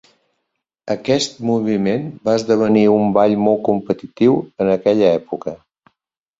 Aquest moviment va esdevenir un ball molt competitiu en aquella època.